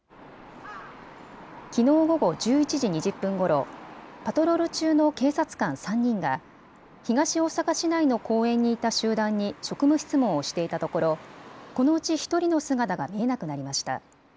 きのう午後１１時２０分ごろ、パトロール中の警察官３人が、東大阪市内の公園にいた集団に職務質問をしていたところ、このうち１人の姿が見えなくなりました。